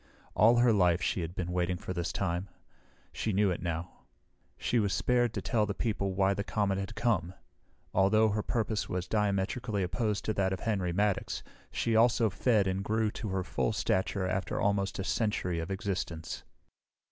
All her life she had been waiting for this time. She knew it now. She was spared to tell the people why the comet had come. Although her purpose was diametrically opposed to that of Henry Maddox, she also fed and grew to her full stature after almost a century of existence.